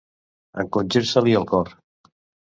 Encongir-se-li el cor.